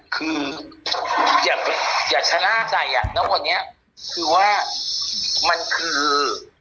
คืออย่าชนะใจว่ามันคือ